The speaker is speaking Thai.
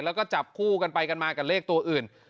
แล้วก็จับคู่กันไปกันมากับเลขตัวอื่น